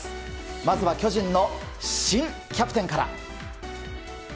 まずは巨人の新キャプテンから。